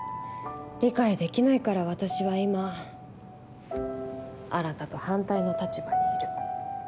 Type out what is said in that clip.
理解できないから私は今新と反対の立場にいる。